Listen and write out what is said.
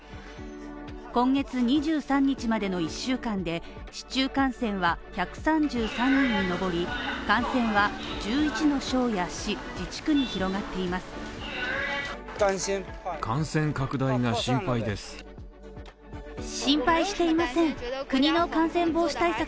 今月２３日までの１週間で市中感染は１３３人に上り感染は１１の省や市自治区に広がっています。